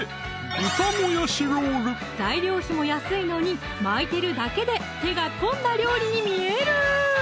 「豚もやしロール」材料費も安いのに巻いてるだけで手が込んだ料理に見える！